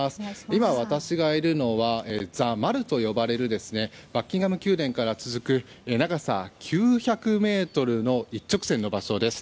今、私がいるのはザ・マルと呼ばれるバッキンガム宮殿から続く長さ９００ｍの一直線の場所です。